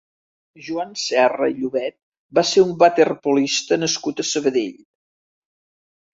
Joan Serra i Llobet va ser un waterpolista nascut a Sabadell.